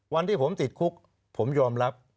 วันที่ผมติดคุกผมยอมรับ